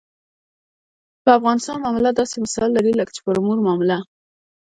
په افغانستان معامله داسې مثال لري لکه چې پر مور معامله.